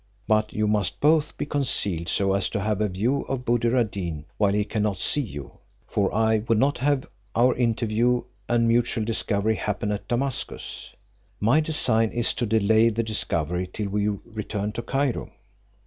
But you must both be concealed so as to have a view of Buddir ad Deen while he cannot see you; for I would not have our interview and mutual discovery happen at Damascus. My design is to delay the discovery till we return to Cairo."